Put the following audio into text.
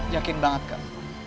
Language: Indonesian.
yakin banget kak